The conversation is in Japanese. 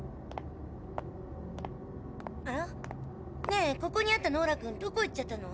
ねえここにあったノーラ君どこ行っちゃったの？